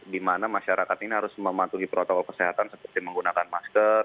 di mana masyarakat ini harus mematuhi protokol kesehatan seperti menggunakan masker